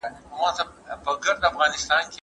هغه د عشق او صوفۍ په نړۍ کې ژوند کاوه.